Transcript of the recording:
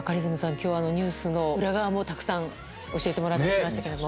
今日ニュースの裏側もたくさん教えてもらって来ましたけれども。